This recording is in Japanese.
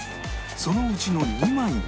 そのうちの２枚に